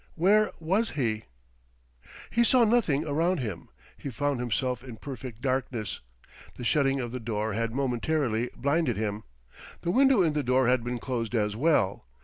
Where was he? He saw nothing around him; he found himself in perfect darkness. The shutting of the door had momentarily blinded him. The window in the door had been closed as well.